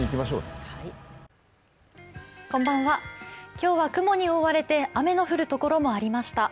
今日は雲に覆われて雨の降る所もありました。